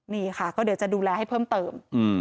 นี่ค่ะก็เดี๋ยวจะดูแลให้เพิ่มเติม